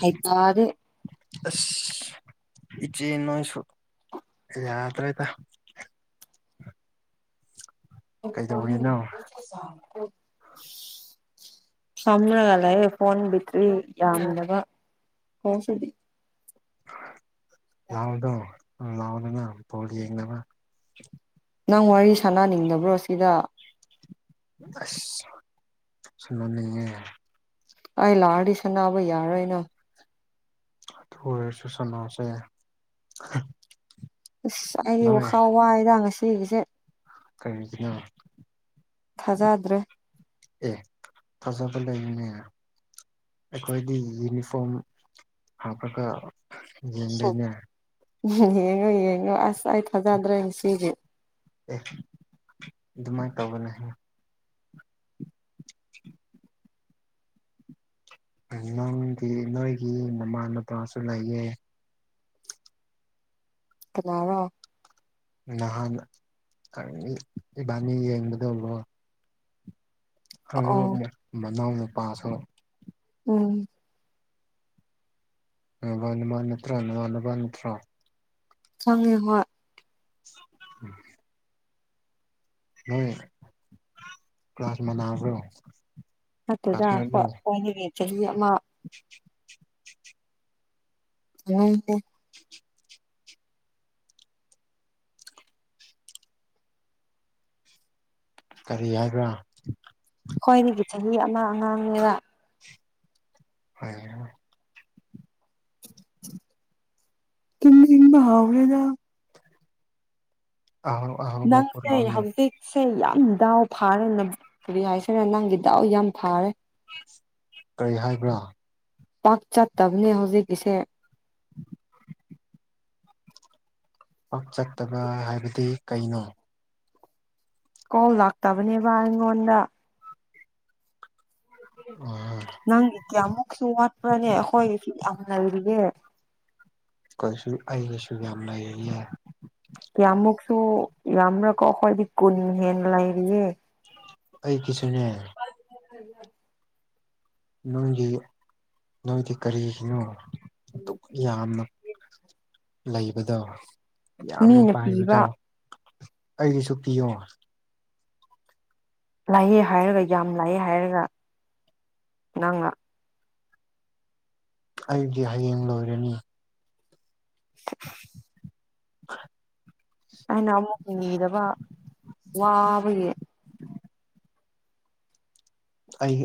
ꯍꯩꯄꯥꯗꯤ ꯑꯁ ꯏꯆꯦ ꯅꯣꯏꯁꯨ ꯌꯥꯗꯔꯦ ꯗꯥ [unintelligible] ꯐꯝꯃꯥꯒ ꯂꯩꯌꯦ ꯐꯣꯟ ꯕꯦꯇ꯭ꯔꯤ ꯌꯥꯝꯗꯕ ꯉꯁꯤꯗꯤ ꯂꯥꯎꯗꯣ ꯂꯥꯎꯗꯅ ꯄꯣꯜ ꯌꯦꯡꯅꯕ ꯅꯪ ꯋꯥꯔꯤ ꯁꯥꯟꯅꯅꯤꯡꯗꯕ꯭ꯔꯣ ꯁꯤꯗ꯫ ꯑꯁ ꯁꯅꯅꯤꯡꯌꯦ ꯑꯩ ꯂꯥꯛꯑꯗꯤ ꯁꯅꯥꯕ ꯌꯥꯔꯣꯏ ꯅꯪ ꯑꯗꯨ ꯑꯣꯏꯔꯁꯨ ꯁꯅꯁꯦ ꯑꯁ ꯑꯩꯗꯤ ꯋꯥꯈꯥꯟ ꯋꯥꯏꯗ ꯉꯁꯤꯒꯤꯁꯦ ꯀꯔꯤꯒꯤꯅꯣ ꯊꯥꯖꯗ꯭ꯔꯦ ꯑꯦ ꯊꯥꯖꯥꯕ ꯂꯩꯔꯤꯅꯦ ꯑꯩꯈꯣꯏꯗꯤ ꯌꯨꯅꯤꯐꯣꯝ ꯍꯥꯞꯄꯒ ꯌꯦꯡꯗꯣꯏꯅꯦ ꯌꯦꯡꯉꯣ ꯌꯦꯡꯉꯣ ꯑꯁ ꯑꯩ ꯊꯖꯥꯗ꯭ꯔꯦ ꯉꯁꯤꯗꯤ ꯑꯦ ꯑꯗꯨꯃꯥꯏꯅ ꯇꯧꯕꯅꯦ ꯍꯥꯏ [unintelligible] ꯅꯪꯒꯤ ꯅꯣꯏꯒꯤ ꯃꯃꯥ ꯅꯄꯥꯁꯨ ꯂꯩꯌꯦ ꯀꯅꯔꯥ ꯅꯍꯥꯟ ꯏꯕꯥꯅꯤ ꯌꯦꯡꯕ ꯗꯔꯣ ꯑꯣ ꯍꯥꯏ ꯃꯅꯥꯎ ꯅꯨꯄꯥꯁꯨ ꯎꯝ ꯅꯃꯥꯟꯅꯕ ꯅꯠꯇ꯭ꯔꯥ ꯅꯃꯥꯟꯅꯕ ꯅꯠꯇ꯭ꯔꯥ꯫ ꯍꯣꯏꯅꯦ ꯍꯣꯏ [unintelligible] ꯃꯣꯏ ꯀ꯭ꯂꯥꯁ ꯃꯅꯕ꯭ꯔꯣ꯫ ꯅꯠꯇꯦꯗꯥ ꯈꯣꯏꯗꯒꯤ ꯆꯍꯤ ꯑꯃ꯫ [unintelligible] [unintelligible] ꯀꯔꯤ ꯍꯥꯏꯕ꯭ꯔꯥ꯫ ꯈꯣꯏꯗꯒꯤ ꯆꯍꯤ ꯑꯃ ꯑꯉꯥꯡꯅꯦꯕ꯫ ꯍꯣꯏ꯫ [inaudible] ꯇꯨꯝꯅꯤꯡꯕ ꯍꯥꯎꯔꯦꯗ꯫ ꯑꯥꯎ ꯅꯪꯁꯦ ꯍꯧꯖꯤꯛ꯫ ꯁꯦ ꯌꯥꯝ ꯗꯥꯎ ꯐꯥꯔꯦꯅ ꯀꯔꯤ ꯍꯥꯏꯁꯤꯔ ꯅꯪꯒꯤ ꯗꯥꯎ ꯌꯥꯝ ꯐꯥꯔꯦ꯫ ꯀꯔꯤ ꯍꯥꯏꯕ꯭ꯔꯥ꯫ ꯄꯥꯛ ꯆꯠꯇꯕꯅꯦ ꯍꯧꯖꯤꯛꯀꯤꯁꯦ꯫ ꯄꯥꯛ ꯆꯠꯇꯕ ꯍꯥꯏꯕꯗꯤ ꯀꯩꯅꯣ꯫ ꯀꯣꯜ ꯂꯥꯛꯇꯕꯅꯦꯕ ꯑꯩꯉꯣꯟꯗ꯫ ꯑꯥ ꯅꯪꯗꯤ ꯀꯌꯥꯃꯨꯛꯁꯨ ꯋꯥꯠꯄ꯭ꯔꯥꯅꯦ ꯑꯩꯈꯣꯏꯒꯤꯁꯨ ꯌꯥꯝ ꯂꯩꯔꯤꯌꯦ꯫ ꯀꯩꯁꯨ ꯑꯩꯒꯤꯁꯨ ꯌꯥꯝ ꯂꯩꯔꯤꯌꯦ ꯀꯌꯥꯃꯨꯛꯁꯨ ꯌꯥꯝꯅꯀꯣ ꯑꯩꯈꯣꯏꯗꯤ ꯀꯨꯟ ꯍꯦꯟ ꯂꯩꯔꯤꯌꯦ꯫ ꯑꯩꯀꯤꯁꯨꯅꯦ꯫ [inaudible] ꯅꯪꯗꯤ ꯅꯣꯏꯗꯤ ꯀꯔꯤꯒꯤꯅꯣ ꯑꯗꯨꯛ ꯌꯥꯝꯅ꯫ ꯂꯩꯕꯗꯣ ꯌꯥꯝꯅ ꯃꯤꯅ ꯄꯥꯏꯕꯗꯣ꯫ ꯄꯤꯕ ꯑꯩꯒꯤꯁꯨ ꯄꯤꯌꯣ꯫ ꯂꯥꯏꯌꯦ ꯍꯥꯏꯔꯒ ꯌꯥꯝ ꯂꯥꯛꯌꯦ ꯍꯥꯏꯔꯒ ꯅꯪꯅ ꯑꯩꯗꯤ ꯍꯌꯦꯡ ꯂꯣꯏꯔꯅꯤ꯫ [unintelligible] [unintelligible] ꯑꯩꯅ ꯑꯃꯨꯛ ꯅꯤꯗꯕ ꯋꯥꯕꯒꯤ꯫ ꯑꯩ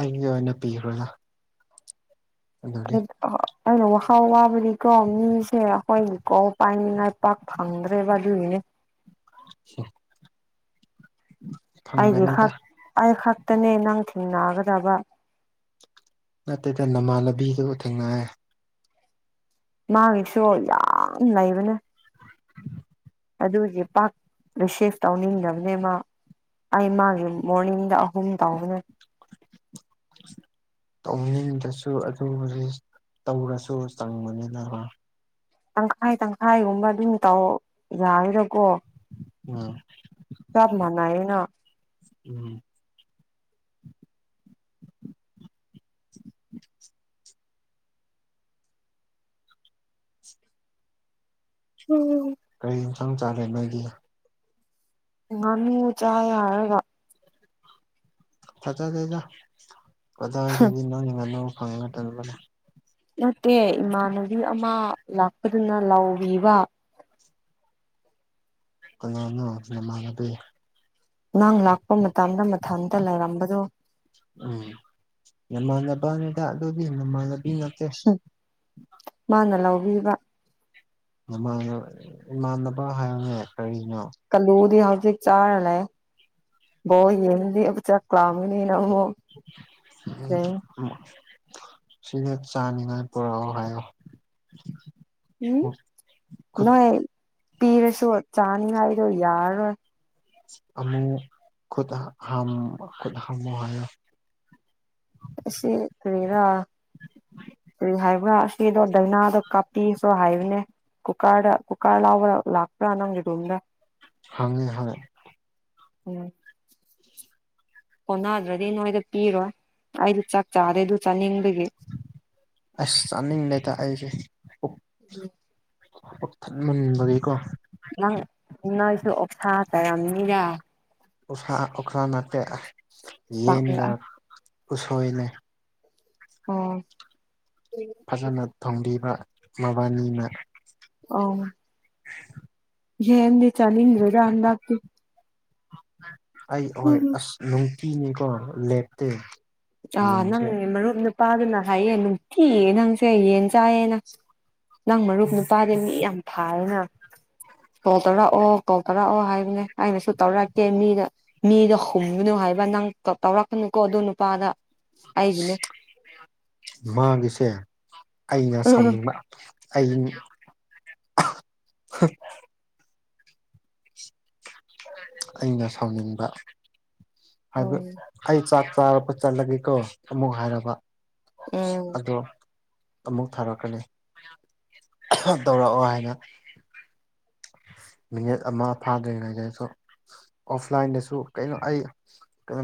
ꯑꯩꯒꯤ ꯑꯣꯏꯅ ꯄꯤꯈ꯭ꯔꯗꯥ ꯑꯩꯅ ꯋꯥꯥꯎ ꯋꯥꯕꯅꯤꯀꯣ ꯃꯤꯁꯦ ꯑꯩꯈꯣꯏꯒꯤꯀꯣ ꯄꯥꯏꯅꯤꯡꯉꯥꯏ ꯄꯥꯛ ꯐꯪꯗ꯭ꯔꯦꯕ ꯑꯗꯨꯒꯤꯅꯤ꯫ ꯑ [inaudible] ꯑꯩꯒꯤ ꯈꯛ ꯑꯩ ꯈꯛꯇꯅꯦ ꯅꯪ ꯊꯦꯡꯅꯒꯗꯕ꯫ ꯅꯠꯇꯦꯗ ꯅꯃꯥꯟꯅꯕꯤꯗꯨꯒ ꯊꯦꯡꯅꯔꯦ꯫ ꯃꯥꯒꯤꯁꯨ ꯌꯥꯝ ꯂꯩꯕꯅꯦ꯫ [unintelligible] [inaudible] ꯑꯗꯨꯒꯤ ꯄꯥꯛ ꯃꯦꯁꯦꯁ ꯇꯧꯅꯤꯡꯗꯕꯅꯦꯕꯥ꯫ ꯑꯩ ꯃꯥꯒꯤ ꯃꯣꯔꯅꯤꯡꯗ ꯑꯍꯨꯝ ꯇꯥꯎꯕꯅꯦ꯫ [unintelligible] ꯇꯧꯅꯤꯡꯗꯔꯁꯨ ꯑꯗꯨ ꯍꯧꯖꯤ ꯇꯧꯔꯁꯨ ꯆꯪꯕꯅꯤꯅ꯫ ꯇꯪꯈꯥꯏ ꯇꯪꯈꯥꯏꯒꯨꯝꯕ ꯑꯗꯨꯝ ꯇꯧ ꯌꯥꯔꯔꯀꯣ꯫ [inaudible] ꯆꯥꯞ ꯃꯅꯥꯏꯅ꯫ ꯎꯝ ꯎꯝ [unintelligible] ꯀꯔꯤ ꯌꯦꯟꯁꯥꯡ ꯆꯥꯒꯦ ꯅꯣꯏꯗꯤ ꯉꯅꯨ ꯆꯥ ꯍꯥꯏꯔꯒ ꯊꯖꯗꯦꯗ ꯀꯗꯥꯋꯥꯏꯗꯒꯤ ꯅꯪ ꯉꯅꯨ ꯐꯪꯉꯒꯇꯕꯅꯦ ꯅꯠꯇꯦ ꯏꯃꯥꯟꯅꯕꯤ ꯑꯃ ꯂꯥꯛꯄꯗꯨꯅ ꯂꯥꯎꯕꯤꯕ ꯀꯅꯥꯅꯣ ꯅꯃꯅꯕꯤ ꯅꯪ ꯂꯥꯛꯄ ꯃꯇꯝꯗ ꯃꯊꯟꯇ ꯂꯩꯔꯝꯕꯗꯨꯣ ꯎꯝ ꯅꯃꯥꯟꯕꯅꯤꯗ ꯑꯗꯨꯣꯗꯤ ꯅꯃꯥꯟꯗꯕꯤ ꯅꯠꯇꯦ ꯃꯥꯅ ꯂꯧꯕꯤꯕ ꯅꯥꯃꯥꯅꯕ ꯏꯃꯥꯟꯅꯕ ꯍꯥꯏꯔꯅꯦ ꯀꯔꯤꯅꯣ ꯀꯥꯂꯨꯗꯤ ꯍꯧꯖꯤꯛ ꯆꯥꯔ ꯂꯩꯌꯦ ꯕꯣꯜ ꯌꯦꯡꯗꯤ ꯆꯥꯛꯥꯝꯕꯅꯤꯅ ꯑꯃꯨꯛ ꯌꯦꯡ [inaudible] ꯎꯝ ꯁꯤꯅ ꯆꯥꯅꯤꯡꯉꯥꯏ ꯄꯨꯔꯛꯑꯣ ꯍꯥꯏꯌꯣ ꯎꯝ ꯈꯨꯠ ꯅꯣꯏ ꯄꯤꯔꯁꯨ ꯆꯥꯅꯤꯉꯥꯏꯗꯣ ꯌꯥꯔꯔꯣꯏ ꯑꯃꯨ ꯈꯨꯠ ꯈꯨꯊꯝꯃꯣ ꯍꯥꯏꯌꯣ ꯍꯥꯏꯌꯣ ꯑꯁꯤ ꯀꯔꯤꯔ ꯀꯔꯤ ꯍꯥꯏꯕꯔꯥ ꯁꯤꯗꯣ ꯗꯧꯅꯥꯗꯣ ꯀꯥꯞꯄꯤꯁꯨ ꯍꯥꯏꯕꯅꯦ ꯀꯨꯛꯔꯗꯥ ꯂꯥꯎꯔꯥꯒꯥ ꯂꯥꯛꯄ ꯅꯪꯒꯤ ꯔꯨꯝꯗ ꯍ ꯍ [unintelligible] [inaudible] [inaudible] ꯀꯣꯟꯅꯗ꯭ꯔꯗꯤ ꯅꯣꯏꯗ ꯄꯤꯔꯣꯏ ꯑꯩꯗꯤ ꯆꯥꯛ ꯆꯥꯗꯦ ꯑꯗꯨ ꯆꯥꯅꯤꯡꯕꯒꯤ ꯑꯁ ꯆꯥꯅꯤꯡ ꯅꯇ ꯑꯩꯁꯦ [inaudible] ꯄꯛꯊꯟꯃꯟꯕꯒꯤꯀꯣ ꯅꯪ ꯅꯣꯏꯁꯨ ꯑꯣꯛꯁꯥ ꯆꯥꯔꯝꯅꯤꯗ ꯑꯣꯛꯁꯥ ꯑꯣꯛꯁꯥ ꯅꯅꯥꯠꯇꯦ ꯄꯥꯝꯕ꯭ꯔꯥ ꯌꯦꯟꯒ ꯎꯁꯣꯏꯅꯦ ꯎꯝ ꯐꯖꯅ ꯊꯣꯡꯝꯕꯤꯕ ꯃꯕꯥꯅꯤꯅ ꯑꯣ [unintelligible] ꯌꯦꯟꯦ ꯆ ꯅ ꯏ꯭ꯔꯦꯗ ꯍꯟꯇ ꯑꯩ ꯍꯣꯏ ꯎꯝ ꯑꯁ ꯅꯨꯡꯇꯤꯅꯤꯀꯣ ꯂꯦꯞꯇꯦ ꯑꯥ ꯅꯪ ꯌꯦꯟꯁꯦ ꯃꯔꯨꯞ ꯅꯨꯄꯥꯗꯨꯅ ꯍꯥꯏꯌꯦ ꯅꯨꯡꯇꯤꯌꯦ ꯅꯪꯁꯦ ꯌꯦꯟ ꯆꯥꯏꯌꯦꯅ ꯅꯪ ꯃꯔꯨꯞ ꯅꯨꯄꯥꯗꯤ ꯃꯤ ꯌꯥꯝ ꯐꯥꯔꯦꯅ ꯀꯣ ꯇꯧꯔꯛꯑꯣ ꯀꯣꯜ ꯇꯧꯔꯛꯑꯣ ꯍꯥꯏꯕꯅꯦ ꯑꯩꯅꯁꯨ ꯇꯧꯔꯛꯀꯦ ꯃꯤꯗ ꯃꯤꯗꯣ ꯍꯨꯝꯒꯅꯨ ꯍꯥꯏꯕ ꯅꯪ ꯇꯧꯔꯛꯀꯅꯨꯀꯣ ꯑ ꯅꯨꯄꯥꯗ ꯑꯩꯒꯤꯅꯦ ꯃꯥꯒꯤꯁꯦ ꯑꯩꯅ ꯎꯝ ꯁꯥꯎꯅꯤꯡꯕ ꯑꯩ ꯑꯩꯅ ꯁꯥꯎꯅꯤꯡꯕ ꯍꯥꯏꯕ ꯎꯝ ꯑꯩ ꯆꯥꯛ ꯆꯥꯔꯛꯄ ꯆꯠꯂꯒꯦꯀꯣ ꯑꯃꯨꯛ ꯍꯥꯏꯔꯕ ꯎꯝ ꯑꯗꯣ ꯑꯃꯨꯛ ꯊꯥꯔꯛꯀꯅꯤ ꯇꯧꯔꯛꯑꯣ ꯍꯥꯏꯅ ꯃꯤꯅꯤꯠ ꯑꯃ ꯐꯥꯗ꯭ꯔꯤꯉꯩꯗꯁꯨ ꯑꯣꯐꯂꯥꯏꯟꯗꯁꯨ ꯀꯩꯅꯣ ꯑꯩ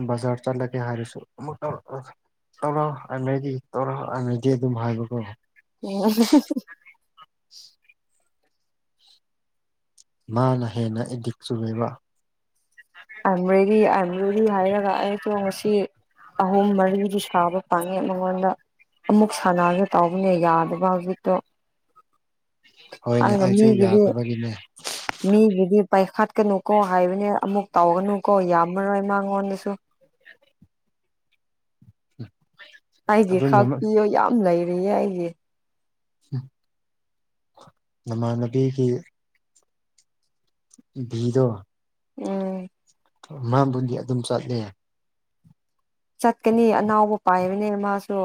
ꯀ ꯖꯔ ꯆꯂꯒꯦ ꯍꯥꯏꯔꯁꯨ ꯇꯔꯥꯎ ꯍꯥꯟꯅꯗꯤ ꯇꯧꯔꯥꯎ ꯍꯥꯟꯅꯗꯤ ꯑꯗꯨꯝ ꯍꯥꯏꯕꯀꯣ ꯑꯣ ꯃꯥꯅ ꯍꯦꯟꯅ ꯑꯦꯗꯤꯛ ꯆꯨꯦꯕ ꯑꯕ꯭ꯔꯣꯏꯔꯤ ꯑꯕ꯭ꯔꯣꯏꯔꯤ ꯍꯥꯏꯔꯒ ꯑꯩꯁꯨꯣ ꯉꯁꯤ ꯑꯍꯨꯝ ꯃꯔꯤꯗꯤ ꯁꯥꯕ ꯄꯥꯉꯦ ꯃꯉꯣꯟꯗ ꯑꯃꯨꯛ ꯁꯥꯟꯅꯔꯒꯦ ꯇꯧꯕꯅꯦ ꯌꯥꯗꯕ ꯍꯧꯖꯤꯛꯇꯣ ꯎ ꯑꯩꯅ ꯃꯤꯒꯗꯤ ꯃꯤꯒꯤꯗꯤ ꯄꯥꯏꯈꯠꯀꯅꯨ ꯀꯣ ꯍꯥꯏꯕꯅꯦ ꯑꯃꯨꯛ ꯇꯧꯒꯅꯨ ꯀꯣ ꯌꯥꯝꯃꯔꯣꯏ ꯃꯉꯣꯟꯗꯁꯨ [unintelligible] ꯑꯩꯗꯤ ꯑꯗꯨ ꯈꯥꯛꯄꯤꯌꯣ ꯌꯥꯝ ꯂꯩꯔꯤꯌꯦ ꯑꯩꯁ ꯅꯃꯥꯟꯅꯕꯤꯒꯤ ꯚꯤꯗꯣ ꯎꯝ ꯃꯥꯕꯨꯗꯤ ꯑꯗꯨꯝ ꯆꯠꯂꯦ ꯆꯠꯀꯅꯤ ꯑꯅꯥꯎꯕ ꯄꯥꯏꯕꯅꯦ ꯃꯥꯁꯨ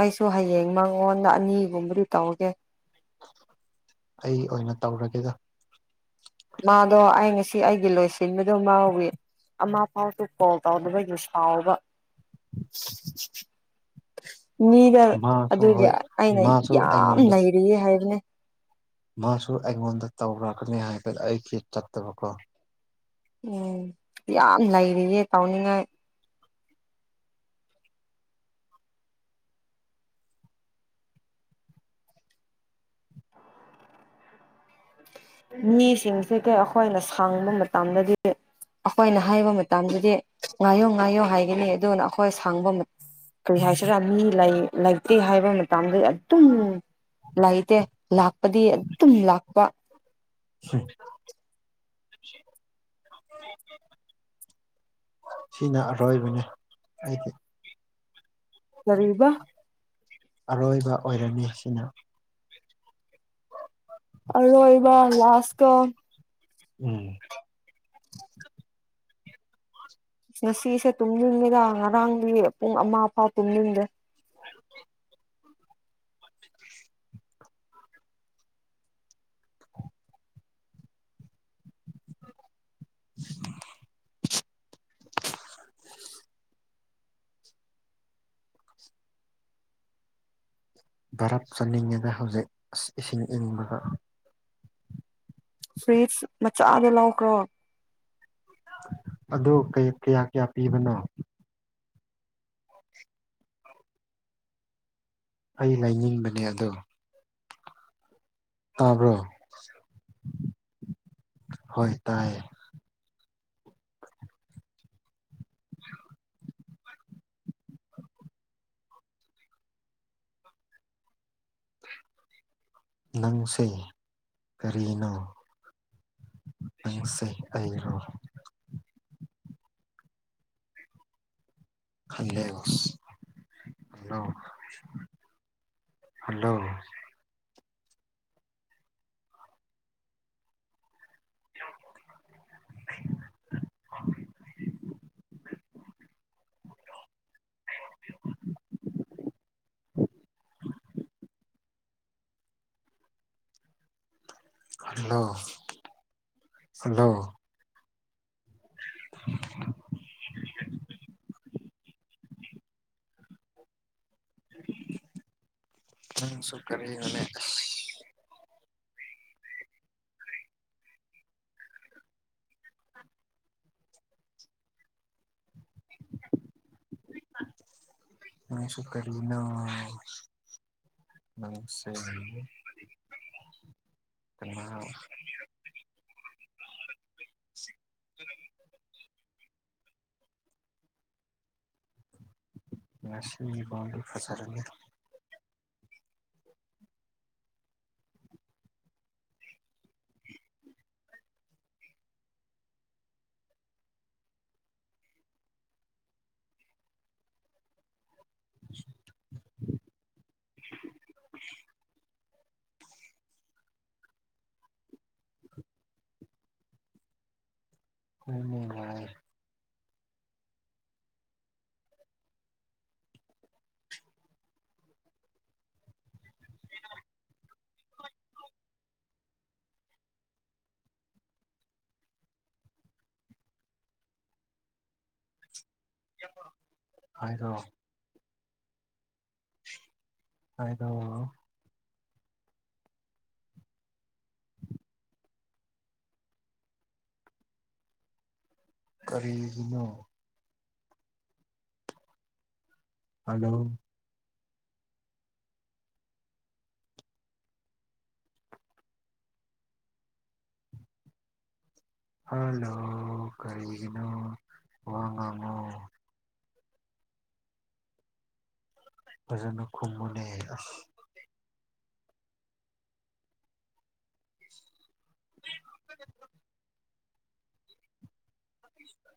ꯑꯩꯁꯨ ꯍꯌꯦꯡ ꯃꯉꯣꯟꯗ ꯑꯅꯤꯒꯨꯝꯕꯗꯤ ꯇꯧꯒꯦ ꯑꯩ ꯑꯣꯏꯅ ꯇꯧꯔꯒꯦꯗ ꯃꯥꯗꯣ ꯑꯩ ꯉꯁꯤ ꯑꯩꯒꯤ ꯂꯣꯏꯁꯤꯟꯕꯗꯣ ꯃꯥꯥꯎꯋꯤ ꯑꯃ ꯐꯥꯎꯗꯨ ꯀꯣꯜ ꯇꯧꯅꯕ ꯌ ꯁꯥꯎꯕ ꯃꯤꯗ ꯃꯥꯁꯨ ꯑꯗꯨꯗꯤ ꯍꯣꯏ ꯑꯩꯅ ꯃꯥꯁꯨ ꯌꯥꯝ ꯑꯩꯉꯣꯟꯗ ꯅꯔꯤꯌꯦ ꯍꯥꯏꯕꯅꯦ ꯃꯥꯁꯨ ꯑꯩꯉꯣꯟꯗ ꯇꯧꯔꯕꯅꯤ ꯍꯥꯏꯕꯗ ꯑꯩꯒꯤ ꯆꯠꯇꯕꯀꯣ ꯎꯝ ꯌꯥꯝ ꯂꯩꯔꯤꯌꯦ ꯇꯧꯅꯤꯡꯉꯥꯏ ꯃꯤꯁꯤꯡꯁꯦ ꯀꯩ ꯑꯩꯈꯣꯏꯅ ꯁꯥꯡꯕ ꯃꯇꯝꯗꯗꯤ ꯑꯩꯈꯣꯏꯅ ꯍꯥꯏꯕ ꯃꯇꯝꯗꯗꯤ ꯉꯥꯏꯌꯣ ꯉꯥꯏꯌꯣ ꯍꯥꯏꯒꯅꯤ ꯑꯗꯨꯅ ꯑꯩꯈꯣꯏ ꯁꯥꯡꯕ ꯀꯔꯤ ꯍꯥꯏꯁꯤꯔꯥ ꯃꯤ ꯂꯩꯇꯦ ꯍꯥꯏꯕ ꯃꯇꯝꯗ ꯑꯗꯨꯝ ꯂꯥꯛꯏꯇꯦ ꯂꯥꯛꯄꯗꯤ ꯑꯗꯨꯝ ꯂꯥꯛꯄ ꯎ ꯁꯤꯅ ꯑꯔꯣꯏꯕꯅꯦ ꯑꯩꯗꯤ ꯔꯤꯕꯥ ꯑꯔꯣꯏꯕ ꯑꯣꯏꯔꯝꯅꯤ ꯑꯁꯤꯅ ꯑ ꯑꯣꯏꯔꯤꯕ ꯂꯥꯁꯀ ꯎꯝ ꯉꯁꯤꯁꯦ ꯇꯨꯝꯅꯤꯡꯉꯦꯗ ꯉꯔꯥꯡꯗꯤ ꯄꯨꯡ ꯑꯃ ꯐꯥꯎ ꯇꯨꯝꯅꯤꯡꯟꯗ꯭ꯔꯦ [inaudible] [inaudible] ꯚꯥꯔꯠ ꯆꯠꯅꯤꯡꯉꯦꯗ ꯍꯧꯖꯤꯛ ꯑꯁ ꯏꯁꯤꯡ ꯏꯪꯅꯤꯡꯕꯒ ꯁ꯭ꯋꯤꯠꯁ ꯃꯆꯥꯗ ꯂꯧꯈ꯭ꯔꯣ ꯑ ꯀꯌꯥ ꯀꯌꯥ ꯄꯤꯕꯅꯣ ꯑꯩ ꯂꯩꯅꯤꯡꯕꯅꯦ ꯑꯗꯣ ꯇꯥꯕ꯭ꯔꯣ ꯍꯣꯏ ꯇꯥꯏꯌꯦ [inaudible] ꯅꯪꯁꯦ ꯀꯔꯤꯅꯣ ꯁ ꯑꯩꯔꯣ ꯍꯜꯂꯣ ꯍꯜꯂꯣ ꯍꯜꯂꯣ [unintelligible] ꯍ [unintelligible] [unintelligible] ꯍꯜꯂꯣ ꯍꯜꯂꯣ [unintelligible] ꯑ ꯁꯨ ꯀꯔꯤꯅꯤ ꯃꯁꯨꯨ ꯀ ꯅ ꯅꯦ ꯀ ꯉꯁꯤ ꯃꯤꯣꯟꯗ ꯐꯖꯔ [unintelligible] [inaudible] ꯎꯝ ꯍꯥꯏꯗꯣ ꯍꯥꯏꯗ ꯀꯔꯤꯒꯤꯅꯣ ꯍꯂꯣ ꯍꯂꯣ ꯀꯔꯤꯒꯤꯅꯣ ꯋꯥꯉꯃꯣ ꯑꯣꯖ ꯈꯨ ꯃꯅꯦ ꯎꯝ ꯄꯤꯁꯇ